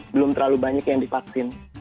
belum terlalu banyak yang divaksin